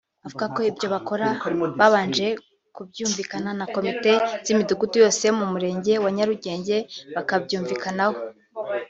Avuga ko ibyo bakora babanje kubyumvikana na komite z’imidugudu yose yo mu Murenge wa Nyarugenge bakabyumvikanaho